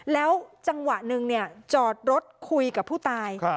แล้วจังหวะหนึ่งจอดรถคุยกับผู้ตาย